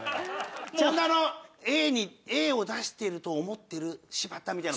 ちゃんとあの「Ａを出していると思っている柴田」みたいな。